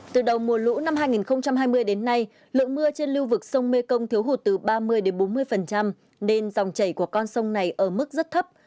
từ đầu mùa lũ năm hai nghìn hai mươi đến nay lượng mưa trên lưu vực sông mê công thiếu hụt từ ba mươi bốn mươi nên dòng chảy của con sông này ở mức rất thấp